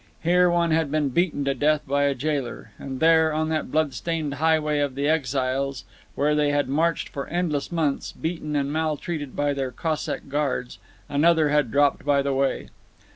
Here one had been beaten to death by a jailer, and there, on that bloodstained highway of the exiles, where they had marched for endless months, beaten and maltreated by their Cossack guards, another had dropped by the way.